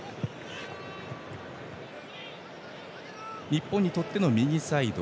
日本にとっての右サイド